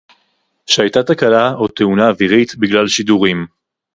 שהיתה תקלה או תאונה אווירית בגלל שידורים